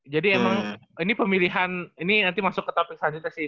jadi emang ini pemilihan ini nanti masuk ke topik selanjutnya sih